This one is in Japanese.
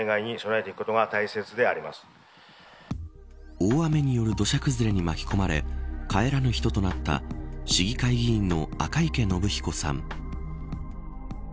大雨による土砂崩れに巻き込まれ帰らぬ人となった市議会議員の赤池伸彦さん。